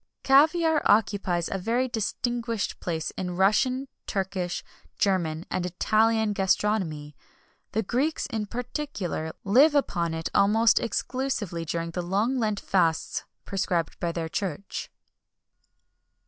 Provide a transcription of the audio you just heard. Caviar occupies a very distinguished place in Russian, Turkish, German, and Italian gastronomy. The Greeks, in particular, live upon it almost exclusively during the long Lent fasts prescribed by their Church.